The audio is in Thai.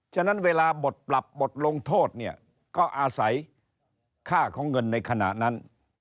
ฉะนั้นเวลาบทปรับบทลงโทษเนี่ยก็อาศัยค่าของเงินในขณะนั้น